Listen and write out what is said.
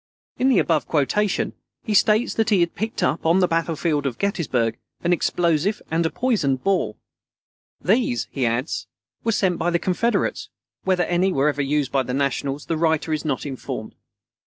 In the above quotation, he states that he had picked up, on the battlefield of Gettysburg, an explosive and a poisoned ball. "These," he adds, "_were sent by the Confederates. Whether any were ever used by the Nationals, the writer is not informed.